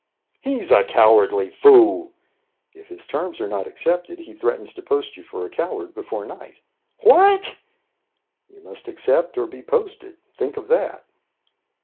"He's a cowardly fool!" "If his terms are not accepted, he threatens to post you for a coward before night." "What?" "You must accept or be posted. Think of that!"